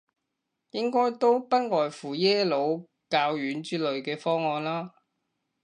應該都不外乎耶魯、教院之類嘅方案啦